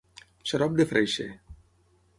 Xarop de freixe.